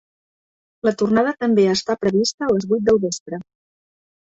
La tornada també està prevista a les vuit del vespre.